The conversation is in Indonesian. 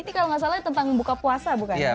ini kalau nggak salah tentang buka puasa bukannya